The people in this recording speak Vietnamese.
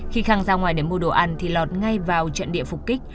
khi khang ra ngoài để mua đồ ăn thì lọt ngay vào trận địa phục kích